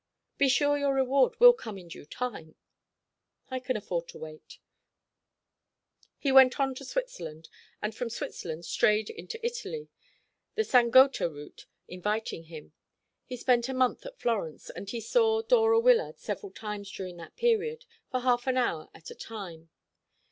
"Be sure your reward will come in due time." "I can afford to wait." He went on to Switzerland, and from Switzerland strayed into Italy, the St. Gotha route inviting him. He spent a month at Florence, and he saw Dora Wyllard several times during that period, for half an hour at a time.